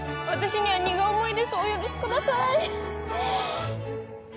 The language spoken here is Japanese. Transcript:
私には荷が重いですお許しください。